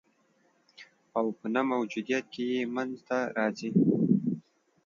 او په نه موجودیت کي یې منځ ته راځي